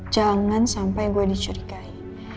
jangan sampai gua dicurigai